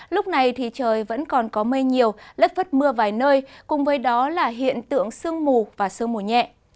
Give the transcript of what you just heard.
lúc này thì trời vẫn còn có mây nhiều lất vất mưa vài nơi cùng với đó là hiện tượng sương mù và sương mù nhẹ